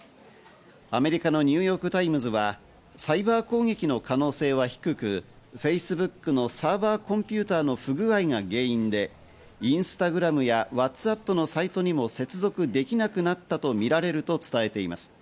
アメリカのニューヨーク・タイムズはサイバー攻撃の可能性は低く、Ｆａｃｅｂｏｏｋのサーバーコンピューターの不具合が原因でＩｎｓｔａｇｒａｍやＷｈａｔｓＡｐｐのサイトにも接続できなくなったとみられると伝えています。